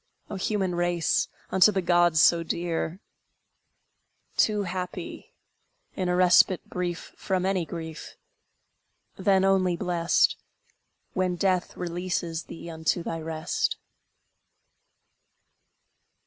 O human race, unto the gods so dear! Too happy, in a respite brief From any grief! Then only blessed, When Death releases thee unto thy rest!